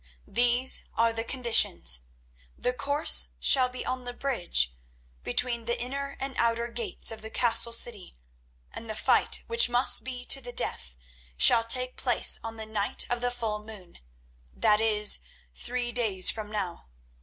These are the conditions—the course shall be on the bridge between the inner and outer gates of the castle city, and the fight, which must be to the death, shall take place on the night of the full moon—that is, three days from now.